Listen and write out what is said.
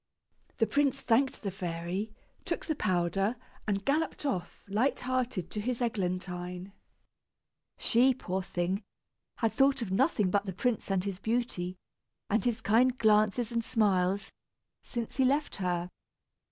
The prince thanked the fairy, took the powder, and galloped off, light hearted, to his Eglantine. She, poor thing, had thought of nothing but the prince and his beauty, and his kind glances and smiles, since he left her.